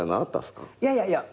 いやいやいや